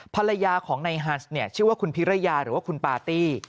ภรรยาของนายฮันส์ชื่อว่าคุณพิรยาหรือว่าคุณปาร์ตี้